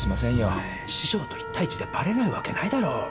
お前師匠と一対一でバレないわけないだろ。